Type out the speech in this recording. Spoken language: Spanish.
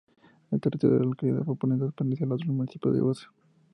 El territorio de la localidad por entonces, pertenecía al otro municipio de Bosa.